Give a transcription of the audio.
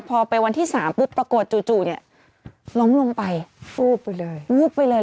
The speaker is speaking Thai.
พอไปวันที่๓ปรากฏจู่นี่ร้องลงไปวูบไปเลย